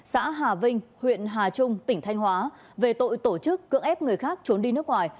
xã hà vinh huyện hà trung tỉnh thanh hóa về tội tổ chức cưỡng ép người khác trốn đi nước ngoài